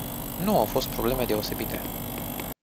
Nu au fost probleme deosebite.